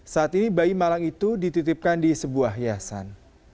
saat ini bayi malang itu dititipkan di sebuah yayasan